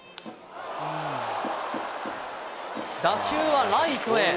打球はライトへ。